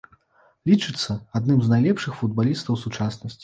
Лічыцца адным з найлепшых футбалістаў сучаснасці.